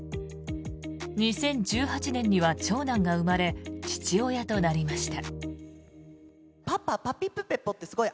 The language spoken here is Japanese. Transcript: ２０１８年には長男が生まれ父親となりました。